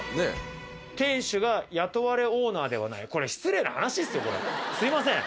店主が雇われオーナーではないこれ失礼な話ですよすいません。